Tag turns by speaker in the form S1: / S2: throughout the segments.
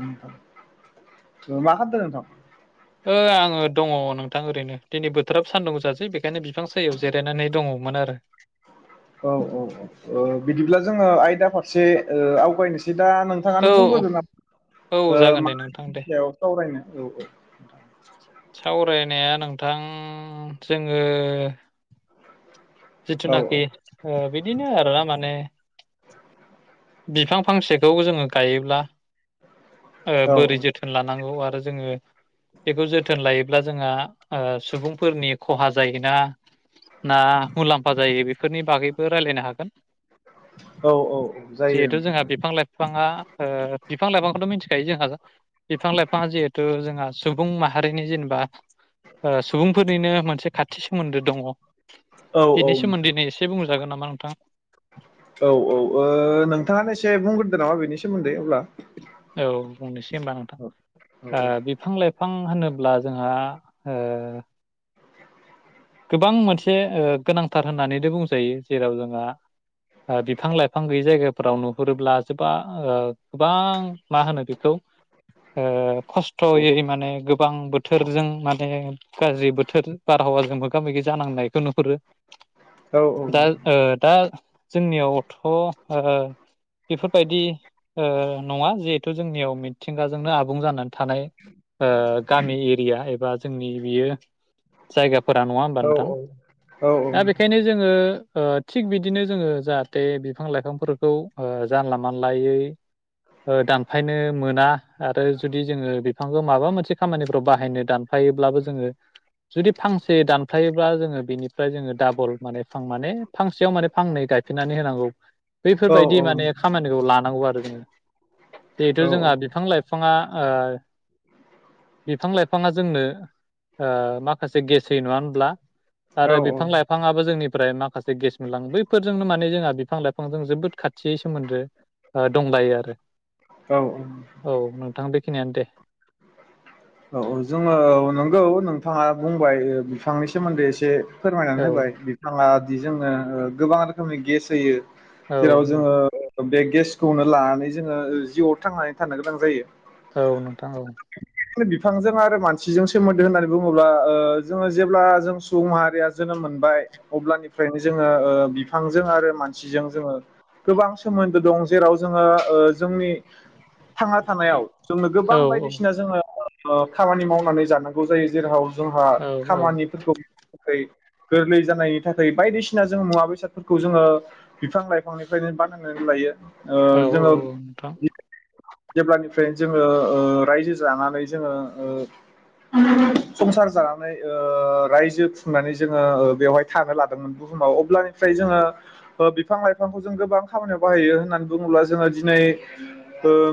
S1: [unintelligible] ओ मा खामदो नोंथां
S2: ओ आङो दङ नोंथां ओरैनो दिनै बोथोराब सान्दुं गोसा सै बेखायनो बिफां सायाव जिरायनानै दङमोन आरो
S1: औ औ औ ओ बिदिब्ला जोङो आयदा फारसे ओ आवगायनोसै बिदिबा
S2: औ
S1: नोंथाङानो बुगोरदो
S2: औ
S1: नामा ओ
S2: जागोन दे
S1: मा
S2: नोंथां दे
S1: आयदानि सायाव सावरायनो औ औ
S2: सावरायनाया नोंथां जोङो
S1: औ
S2: जिथुनाखि ओ बि बिदिनो आरो ना माने बिफां फांसेखौ जोङो गायोब्ला ओ
S1: औ
S2: बोरै जोथोन लानांगौ आरो जोङो बेखौ जोथोन लायोब्ला जोंहा ओ सुबुंफोरनि खहा जायोना ना मुलाम्फा जायो बेफोरनि बागैबो रायज्लायनो हागोन
S1: औ औ औ जायो
S2: जिहेथु
S1: नोंथां
S2: जोंहा बिफां लाइफाङा ओ बिफां लाइफांखौथ मिथिखायो जोंहा बिफां लाइफाङा जिहेथु जोंहा सुबुं माहारिनि जेनेबा ओ सुबुंफोरनिनो मोनसे खाथि सोमोन्दो दङ
S1: औ औ
S2: बेनि
S1: नोंथां
S2: सोमोन्दै एसे बुंजागोन नामा? मा नोंथां
S1: औ औ ओ नोंथाङानो एसे बुंग्रोदो नामा बेनि सोमोन्दै अब्ला
S2: औ बुंनोसै होनबा नोंथां
S1: औ
S2: ओ बिफां लाइफां बिफां होनोब्ला जोंहा ओ गोबां मोनसे ओ गोनांथार होननानैनो बुंजायो जेराव जोंहा ओ बिफां लाइफां गैयै जायगाफोराव नुहुरोब्ला गोबां गोबां मा होनो बेखौ ओ खस्थयै माने गो बां बोथोरजों माने गाज्रि बोथोर बारहावाजोंबो मोगा मोगि जानांनायखौ नुहुरो
S1: औ
S2: दा ओ दा जोंनियावथ ओ बेफोरबायदि ओ नङा जिहेथु जोंनियाव मिथिंगाजोंनो आबुं जानानै थानाय ओ गामि एरिया एबा जोंनि बियो जायगाफोर बारा नङा होमबा
S1: औ
S2: नोंथां?
S1: औ
S2: दा बेखायनो जोङो ओ थिग बिदिनो जोङो जाहाथे बिफां लाइफांफोरखौ ओ जानला मानलायै ओ दानफायनो मोना आरो जुदि जोङो बिफांखौ माबा मोनसे खामानिफ्राव बाहायनो दानफायोब्लाबो जोङो जुदि फांसे दानफायोबब्ला जोङो बिनिफ्राय जोङो डाबल माने फां माने फांसेयाव माने फांनै गायफिननानै होनांगौ बैफोरबायदि माने खामानिखौ ला आंगौ आरो जोङो जिहेथु जोंहा
S1: औ
S2: बिफां लाइफाङा ओ बिफां लाइफाङा जोंनो ओ माखासे गेस ज होयो नङा होनब्ला आरो
S1: औ
S2: बिफां लाइफाङाबो जोंनि ओमफ्राय माखासे गेस मोनलांङो बैफोरजोंनो माने जोंहा बिफां लाइफांजों जोबोद खाथियै सोमोन्दो दंलायो आरो औ नोंथां बे खिनियानो दे
S1: औ औ जोङो नंगौ नोंथाङा बुंबाय बिफांनि सोमोन्दै एसे
S2: औ
S1: फोरमायनानै होबाय बिफाङा दि जोंङनो ओ गोबां रोखोमनि गेस होयो।
S2: औ
S1: जेराव जोङो बे गेसखौनो लानानै जोङो जिउआव थांनानै थानो गोनां जायो।
S2: औ नोंथां औ
S1: नो बिफांजों आरो मानसिजों सोमोन्दो होननानै बुङोब्ला जोङो जेब्ला जों सुबुं माहारिया जोनोम मोनबाय अब्लानिफ्रायनो जोङो ओ बिफांजों आरो मानसिजों जोङो गोबां सोमोन्दो दं जेराव जोङो ओ जोंनि थांना थानायाव जोंनो
S2: औ
S1: गोबां बायदिसिना जोङो ओ ओ खामानि मावनानै जानांगौ जायो जेराव जोंहा
S2: औ
S1: खामानिफोरखौ गोरलै जानायनि थाखाय बायदिसिना जों मुवा बेसादफोरखौ जोङो बिफां लाइफांनिफ्रायनो बानायनानै लायो। ओ
S2: औ औ नोंथां
S1: जेब्लानिफ्रायनो जोंङो ओ जोङो रायजो जानानै जोङो ओ संसार जानानै ओ रायजो खुंनानै जोङो बेवहाय थानो ओ लादोंमोन बुहुमाव ओ अब्लानिफ्राय ओ जोङो बिफां लाइफांखौ जों गोबां खामानियाव बाहायो होननानै बुङोब्ला जोङो ओ दिनै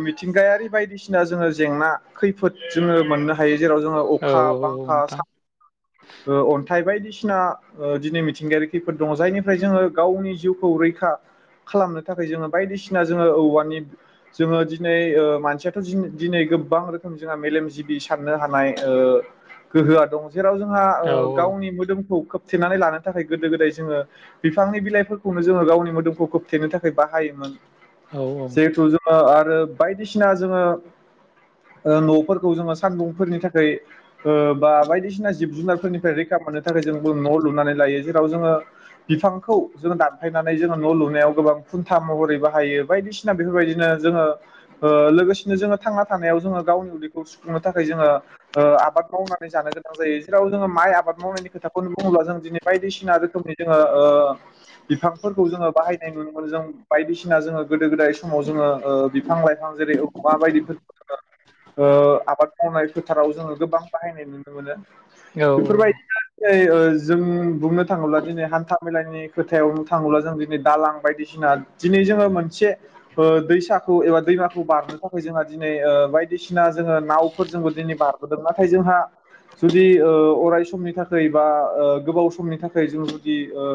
S1: मिथिंगायारि बायदिसिना जोङो जेंना खैफ फोद जोङो मोननो हायो। जेराव जोङो
S2: औ
S1: अखा
S2: औ
S1: बांखा
S2: नोंथां
S1: सा ओ अन्थाइ बायदिसि सिना ओ दिनै मिथिंगायारिखैफोद दङ जायनिफ्राय जोङो गावनि जिउखौ रैखा खालामनो थाखाय जोङो बायदिसिना जोङो औवानि जोङो दिनै ओ मानसियाथ' दिनै गोबां रोख जोंहा मेलेमजिबि साननो हानाय ओ गोहोआ दं जेराव जोंहा
S2: औ
S1: ओ गावनि मोदोमखौ खोब थेनानै लानो थाखाय गोदो गोदाय जोङो बिफांनि बिलाइफोरखौनो जोङो गावनि मोदोमखौ खोबथेनो थाखाय बाहायोमोन
S2: औ औ
S1: ओ आरो बायदिसिना जोङो ओ न'फोरखौ जोङो सानदुंफोरनि थाखाय ओ बा बायदिसिना जिब जुनारफोरनिफ्राय रैखा मोननो थाखाय जोंबो न' लुनानै लयो जेराव जोङो बिफांखौ जो दानफायनानै जोङो न' लुनायाव गोबां खुन्था महरै बाहायो बायदिसिना बेफोरबायदिनो जोङो ओ लोगोसेनो जोङो थांना थानायाव जोङो गावनि उदैखौ सुफुंनो थाखाय जोङो ओ आबाद मावनानै जानो गोनां जायो जेराव जोङो माइ आबाद मावनायनि खोथाखौनो बुङोब्ला जों दिनै बायदिसिना रोखोमनि जोङो ओ बिफांफोरखौ जोङो बाहायनाय नुनो मोनदों जों बायदिसिना जोङो गोदो गोदाय समाव जोङो ओ बिफां लाइफां जेरै ओ बायदिफोरखौ ओ आबाद मावनाय फोथाराव जोङो गोबां बाहायनाय नुनो मोनो
S2: औ
S1: बेफोरबायदिनो दिनै जों बुंनो थाङोब्ला दिनै हान्था मेलानि खोथायावनो थाङोब्ला जों दिनै दालां बायदिसिना दिनै जोङो मोनसे दैसाखौ एबा दैमाखौ बारनो थाखाय जोंहा दिनै ओ बायदिसिना जोङो नावफोरजोंबो दिनै बारबोदों नाथाय जोंहा जुदि ओ अराय समनि थाखाय बा ओ गोबाव समनि थाखाय जों जुदि ओ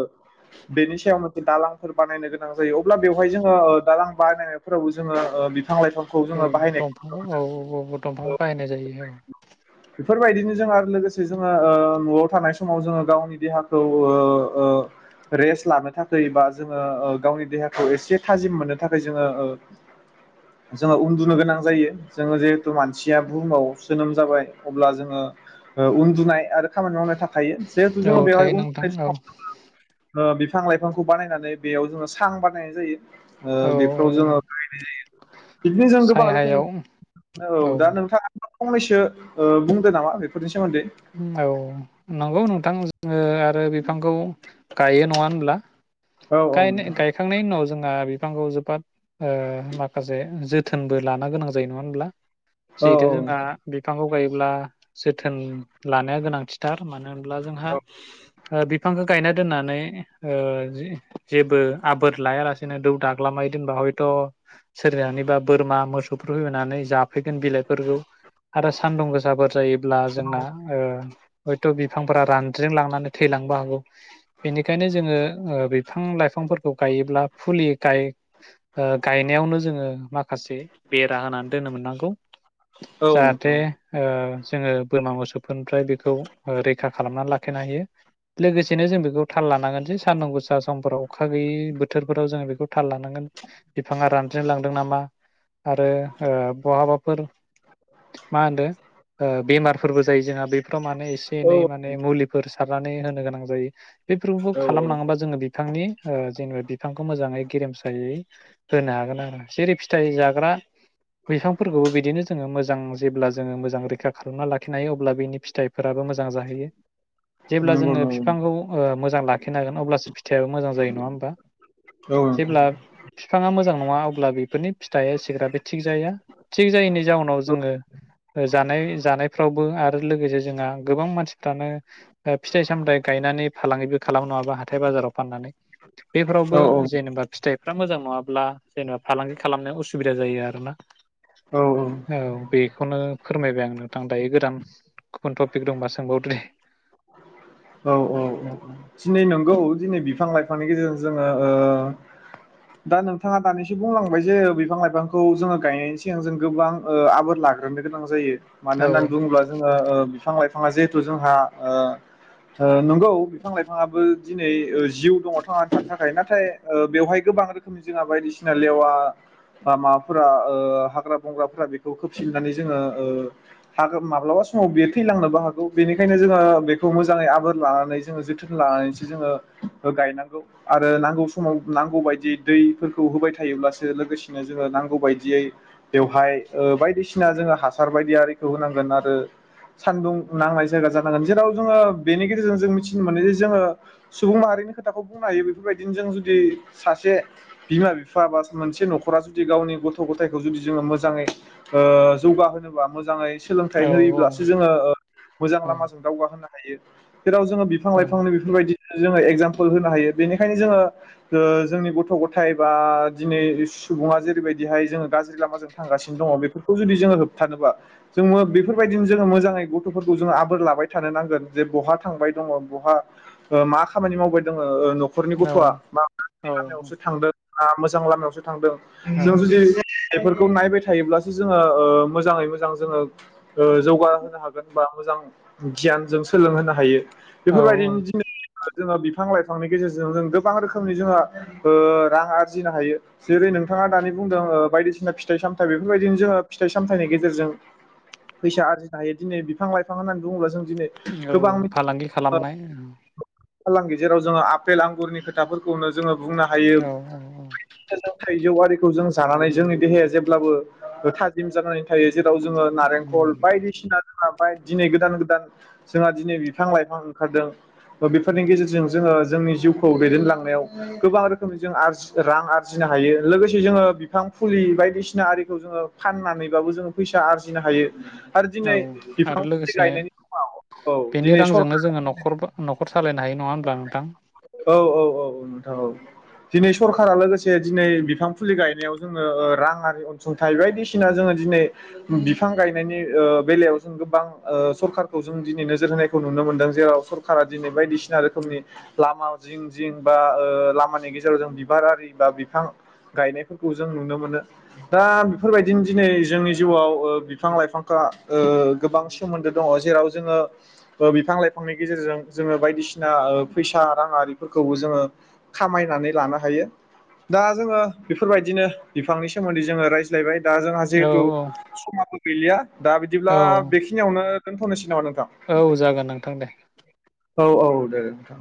S1: बेनि सायाव मोनसे दालांफोर बानायनो गोनां जायो अब्ला बेवहाय जोङो ओ दालां बानायनायफोराव ओ जोङो बिफां-लाइफां खौ जोङो बाहायनाय
S2: [unintelligible] औ औ औ औ दंफांखौ बाहायनाय जायो। बेयाव
S1: बेफोरबायदिनो जोंङो लोगोसे जोङो ओ नआव थानाय समाव जोङो गावनि देहाखौ ओ ओ रेस्ट लानो थाखै बा जोङो ओ गावनि देहाखौ एसे थाजिम मोननो थाखाय जोङो ओ जोङो उन्दुनो गोनां जायो। जोङो जे त मानसिया बुहुमाव जोनोम जाबाय अब्ला जोङो ओ उन्दुनाय आरो खामानि मावनो था थायो जेहुते
S2: औ
S1: जोङो
S2: औ
S1: बेहाय
S2: थायो नोंथां
S1: उन्दुनाय
S2: औ
S1: समाव [unintelligible] ओ [unintelligible] बिफां लाइफांखौ बानायनानै बेयाव जोङो सां बानायनाय जायो। ओ
S2: औ
S1: बेफोराव जोङो बाहायनाय जायो बिदिनो जोङो गोबां रोखोमनि
S2: सायहायाव
S1: औ दा नोंथाङा फंनैसो ओ बुंदो नामा बेफोरनि सोमो
S2: औ नंगौ नों थां जोङो आरो बिफांखौ गायो नङा होनब्ला
S1: औ औ
S2: गायनाय
S1: नोंथां
S2: गायखांनायनि उनाव जों ओ बिफांखौ जोबोद ओ माखासे जोथोनबो लानो गोनां जायो नङा होनब्ला
S1: औ
S2: जिहेथु
S1: औ
S2: जोंहा बिफांखौ [unintelligible] योब्ला जोथोन लानाया गोनांथि थार मानो होनब्ला जोंहा
S1: औ
S2: ओ बिफांखौ गायना दोननानै ओ जि जेबो आबोर लायालासेनो दौ दाग्लामै दोनबा हयथ सोरहानिबा बोरमा मोसौफोर फैनानै जाफैगोन बिलाइफोरखौ आरो सान्दुं गोसाफोर जायोब्ला जोंना ओ हयथ बिफांफोरा रानद्रेम लांनानै थैलांबो हागौ बेनिखायनो जोङो ओ बि बिफां लाइफांफोरखौ गायोब्ला फुलि गाय ओ गायनायावनो जोङो माख माखासे बेरा होनानै दोननो मोननांगौ
S1: औ
S2: जाहाथे
S1: नोंथां
S2: ओ जोङो बोरमा मोसौफोरनिफ्राय बेखौ ओ रैखा खालामनानै लाखिनो हायो लोगोसेनो जों बेखौ थाल लानांगोन जे सानदुं गोसा समफोराव अखा गैयि बोथोरफोराव जोङो बेखौ थाल लानांगोन बिफाङा रानज्रेद लांदों नामा आरो ओ बहाबाफोर मा होनदो ओ बेमार फोरबो जायो जोंहा बेफोराव माने नै एसे
S1: औ
S2: एनै माने मुलिफोर सारनानै होनो गोनां जायो। बेफोरखौ
S1: औ
S2: खालामलाङोबा जोङो बि बि ओ जेनेबा बिफांखौ मोजाङै गेरेमसायै होनो हागोन आरो। जेरै फिथाइ जाग्रा बिफांफोरखौबो बिदिनो मोजां जेल्बा जोङो मोजां रैखा खालामनानै लाखिनो हायो अल्बा बिनि फिथायफ्राबो मोजां जाहैयो। जेब्ला
S1: नंगौ
S2: जोंङो
S1: नंगौ
S2: फिफांखौ ओ मोजां [unintelligible] लाखिनांगोनना अब्लासो फि
S1: औ नोंथां
S2: फिथाइयाबो मोजां जायो नङा होनबा [unintelligible] खालामो नङाबा हथाय बाजाराव। फाननानै बेफोरावबो
S1: औ
S2: जेनेबा फिथाइ फ्रा मोजां नङाब्ला जेनेबा फालांगि खालामनायाव उसुबिदा जायो आरो ना। औ बेखौनो फोरमायबाय आं नोंथां। दायो गोदान गुबुन टपिक दंबा सोंबावदो दे।
S1: औ औ औ दिनै नंगौ दिनै बिफां-लाइफांनि गेजेरजों जोङो ओ दा नोंथाङा दानिसो बुंलांबाय जे बिफां लाइफांखौ जोङो गायनायनि सिगां जों गोबां ओ आबोर लाग्रोनो गोनां जायो। मानो
S2: औ
S1: होननानै बुङोब्ला जोङो ओ बिफां-लाइ फाङा जिहेथु जोंहा ओ ओ नंगौ बिफां-लाइफाङाबो दिनै ओ जिउ दङ थांनानै थानो थाखाय नाथाय ओ बेवहाय गोबां रोखोमनि जोंहा बायदिसिना लेवा बा माबाफोरा हाग्रा-बंग्राफोरा बेखौ खोबफिननानै जोङो ओ माब्लाबा समाव बे थैलांनोबो हागौ बेनिखायनो जोङो बे खौ मोजाङै आबोर लानानै जोङो जोथोन लानानैसो जोङो ओ गायनांगौ आरो नांगौ समाव नांगौ बायदियै दैफोरखौ होबाय थायोब्लासो लोगोसेनो जोङो नांगौ बायदियै बेवहाय ओ बायदिसिना जोङो हासार बायदि आरिखौ होनांगोन आरो सानदुं नांनाय जायगा जानांगोन जेराव जोङो बेनि गेजेरजों जों मिथिनो मोनो जे जोङो सुबुं माहारिनि खोथाखौ बुंनो हायो बेफोरबायदिनो जों जुदि सासे बिमा बिफा बा मोनसे न'खरा जुदि गावनि गथ' गथखौ जुदि जोङो ओ मोजाङै जौगााहोनोबा मोजाङै
S2: औ
S1: सोलोंथाइ होयोब्लासो जोङो ओ मोजां
S2: औ
S1: लामाजों दावगा गोनना। हायो जेराव जोङो
S2: औ
S1: बिफां-लाइफांनि बेफोरबायदि जोङो एगजामपोल होनो हायो। बेनिखायनो जोङो ओ जोंनि गथ' गथाय बा दिनै सुबुङा जेरैबायदिहाय जोङो गाज्रि लामाजों थांगासिनो दङ बेफोरखौ जुदि जोङो होबथानोबा जों बेफोरबायदिनो जोङो मोजाङै गथ'फोरखौ जोङो आबोर लाबाय थानो नांगोन। जे बहा थांबाय दङ बहा ओ मा खामानि मावबाय दङ ओ न'खरनि
S2: औ
S1: गथ'आ मा
S2: औ
S1: गाज्रि लामायावसो थांदों ना मोजां लामायावसो जों
S2: औ
S1: थांदों जदि बेफोरखौ नायबाय थायोब्लासो जोङो ओ मोजाङै मोजां जोङो ओ जौगा होनो हागोन बा मोजां गियान जों सोलोंहोनो हायो।
S2: औ
S1: बेफोरबायदिनो दिनै जोङो बिफां लाइफांनि गेजेरजों जों गोबां रोखोमनि जोङो ओ रां आरजिनो हायो। जेरै नोंथाङा दानि बुंदों ओ बायदिसिना फिथाइ सामथाय बेफोरबायदिनो जोङो फिथाइ-सामथाइनि गेजेरजों फैसा आरजिनो हायो। दिनै बिफां-लाइफां होननानै बुङोब्ला जों दिनै
S2: औ
S1: गोबां
S2: फालांगि खालामनाय औ
S1: फालांगि जेराव जोङो आपेल आंगुरनि खोथाफोरखौनो जोङो बुंनो हायो
S2: औ औ
S1: थाइजौ आरि जों जानानै जोंनि देहाया जेब्लाबो थाजिम जानानै थायो जेराव जोङो नारेंखल बायदिसिना जोंहा ओमफ्राय दिनै गोदान गोदान जोंहा दिनै बिफां लाइफां ओंखारदों थ' बेफोरनि गेजेरजों जोङो जोंनि जिउखौ दैदेनलांनायाव गोबां रोखोमनि जों आरज रां आरजिनो हायो लोगोसे जोङो बिफां फुलि बायदिसिना आरिखौ जोङो फाननानैबाबो जोङो फैसा आरजिनो हायो आरो दिनै
S2: औ
S1: बिफां
S2: आरो लोगोसे
S1: गायनायनि समाव
S2: बेनि रांजोंनो जोङो न'खरबो न'खर सालायनो हायो नङा होनब्ला नोंथां?
S1: औ औ औ औ नोंथां औ दिनै सरखारा लोगोसे दिनै बिफां फुलि गायनायाव जोङो ओ राङारि अनसुंथाइ बायदिसिना जोङो दिनै बिफां गायनायनि ओ बेलायाव जों गोबां ओ सरखारारखौ जों दिनै नोजोर होनायखौ नुनो मोनदों जेराव सरखारा दिनै बायदिसिना रोखोमनि लामा जिं जिं बा ओ लामानि गेजेराव जों बिबार आरि बा बिफां गायनायफोरखौ जों नुनो मोनो। दा बेफोरबायदिनो दिनै जोंनि जिउआव ओ बिफां लाइफांखो ओ गोबां सोमोन्दो दङ जेराव जोङो ओ बिफां लाइफांनि गेजेरजों जोङो बायदिसिना ओ फैसा राङिफोरखौबो जोङो खामायनानै लानो हायो। दा जोङो बेफोरबायदिनो बिफांनि सोमोन्दै जोङो रायज्लायबाय दा जोंहा
S2: औ
S1: जिहेथु समाबो गैलिया दा बिदिब्ला
S2: औ
S1: बेखिनियावनो दोन्थ'नोसै [unintelligible]
S2: औ जागोन नोंथां दे।
S1: औ औ दे नोंथां।